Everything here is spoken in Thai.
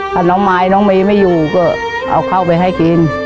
ถ้าน้องมายน้องเมย์ไม่อยู่ก็เอาเข้าไปให้กิน